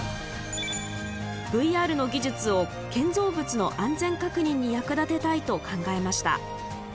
ＶＲの技術を建造物の安全確認に役立てたいと考えました。